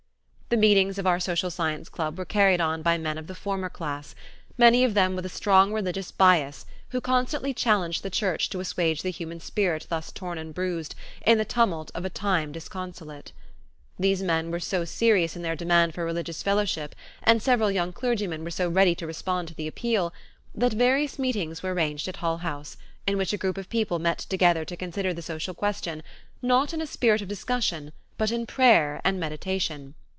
The meetings of our Social Science Club were carried on by men of the former class, many of them with a strong religious bias who constantly challenged the Church to assuage the human spirit thus torn and bruised "in the tumult of a time disconsolate." These men were so serious in their demand for religious fellowship, and several young clergymen were so ready to respond to the appeal, that various meetings were arranged at Hull House, in which a group of people met together to consider the social question, not in a spirit of discussion, but in prayer and meditation.